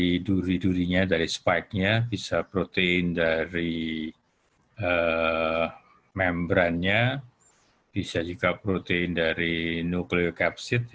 dari duri durinya dari spike nya bisa protein dari membrannya bisa juga protein dari nukleocapsit